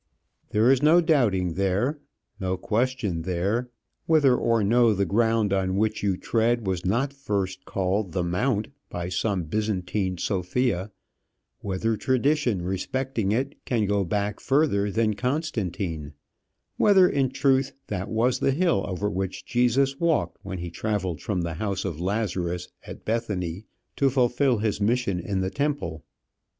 There is no doubting there, no question there whether or no the ground on which you tread was not first called "the mount" by some Byzantine Sophia; whether tradition respecting it can go back further than Constantine; whether, in real truth, that was the hill over which Jesus walked when he travelled from the house of Lazarus at Bethany to fulfil his mission in the temple.